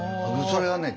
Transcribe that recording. それはね